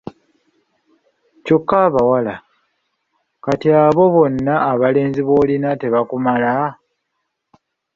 Kyokka abawala! Kati abo bonna abalenzi b’olina tebakumala?